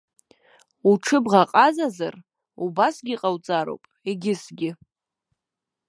Уҽыбӷаҟазазар, убасгьы ҟауҵароуп, егьысгьы.